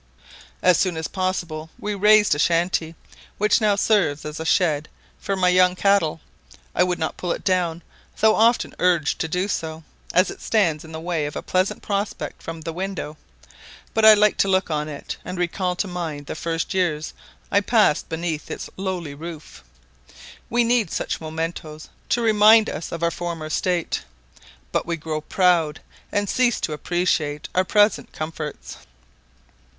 "As soon as possible we raised a shanty, which now serves as a shed for my young cattle; I would not pull it down, though often urged to do so, as it stands in the way of a pleasant prospect from the window; but I like to look on it, and recall to mind the first years I passed beneath its lowly roof. We need such mementos to remind us of our former state; but we grow proud, and cease to appreciate our present comforts.